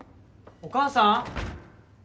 お母さん？